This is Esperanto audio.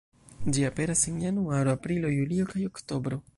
Ĝi aperas en Januaro, Aprilo, Julio kaj Oktobro.